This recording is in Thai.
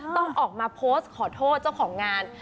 ต้องออกมาโพสต์ขอโทษเจ้าของงาน